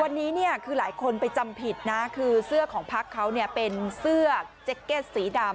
วันนี้ของหลายคนไปจำผิดคือเสื้อของพักเป็นเสื้อแจ๊กเกศสีดำ